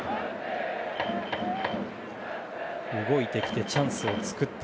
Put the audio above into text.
動いてきて、チャンスを作った。